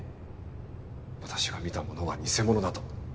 私が見たものは偽物だと？